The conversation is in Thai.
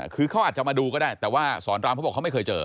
คือเขาอาจจะมาดูก็ได้แต่ว่าสอนรามเขาบอกเขาไม่เคยเจอ